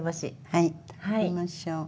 はい食べましょう。